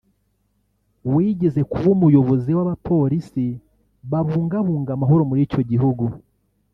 wigeze kuba umuyobozi w’abapolisi babungabunga amahoro muri icyo gihugu